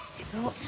そう。